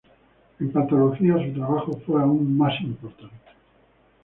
En patología su trabajo fue aún más importante.